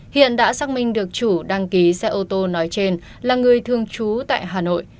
hiện đã xác minh được chủ đăng ký xe ô tô nói trên là người thương chú tại hà nội